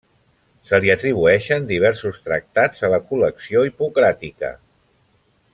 Se li atribueixen diversos tractats a la col·lecció hipocràtica.